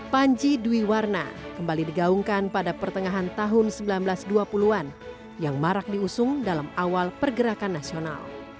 panji dwi warna kembali digaungkan pada pertengahan tahun seribu sembilan ratus dua puluh an yang marak diusung dalam awal pergerakan nasional